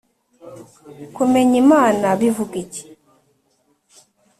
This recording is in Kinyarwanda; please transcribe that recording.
kumenya imana bivuga iki?